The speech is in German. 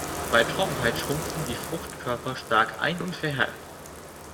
Bei Trockenheit schrumpfen die Fruchtkörper stark ein und verhärten.